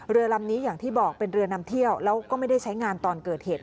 เรือลำนี้อย่างที่บอกเป็นเรือนำเที่ยวแล้วก็ไม่ได้ใช้งานตอนเกิดเหตุ